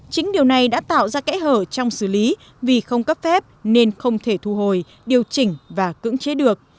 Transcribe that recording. chính điều này đã tạo ra kẽ hở trong xử lý vì không cấp phép nên không thể thu hồi điều chỉnh và cưỡng chế được